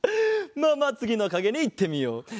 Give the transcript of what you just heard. まあまあつぎのかげにいってみよう。